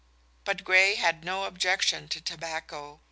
But Gray had no objection to tobacco.